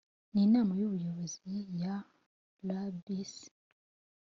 n inama y ubuyobozi ya rbc